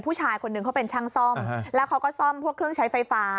ผู้ชายคนหนึ่งเขาเป็นช่างซ่อมแล้วเขาก็ซ่อมพวกเครื่องใช้ไฟฟ้า